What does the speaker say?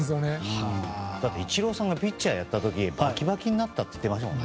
イチローさんがピッチャーやった時バキバキになったと言ってましたから。